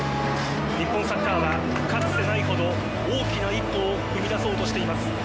日本サッカーはかつてないほど大きな一歩を踏み出そうとしています。